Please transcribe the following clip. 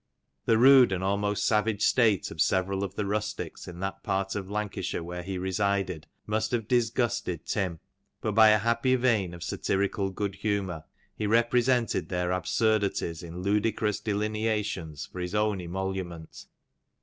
The rude and almost savage state of several of the rustics in that part of Lancashire where he resided must have disgusted Tim, but by a happy vein of satirical good humour, he represented their absurdities in ludicrous delineations for his own emolument.